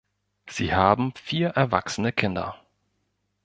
Sie haben vier erwachsene Kinder.